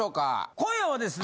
今夜はですね。